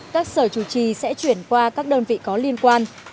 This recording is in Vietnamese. các sở chủ trì sẽ chuyển qua các đơn vị có liên quan